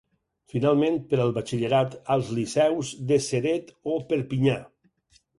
Finalment, per al batxillerat, als Liceus de Ceret o Perpinyà.